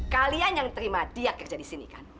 kalian yang terima dia kerja disini kan